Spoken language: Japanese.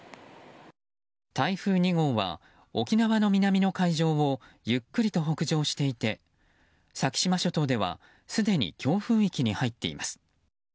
台風２号は、沖縄の南の海上をゆっくりと北上していて先島諸島ではすでに強風域に入っています。